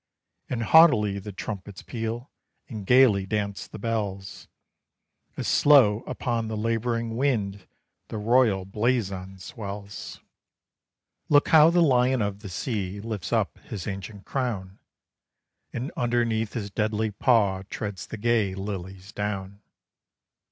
And haughtily the trumpets peal, and gaily dance the bells, As slow upon the labouring wind the royal blazon swells. Look how the lion of the sea lifts up his ancient crown, And underneath his deadly paw treads the gay lilies down.